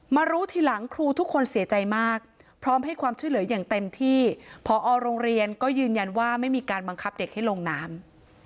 รู้ทีหลังครูทุกคนเสียใจมากพร้อมให้ความช่วยเหลืออย่างเต็มที่พอโรงเรียนก็ยืนยันว่าไม่มีการบังคับเด็กให้ลงน้ำ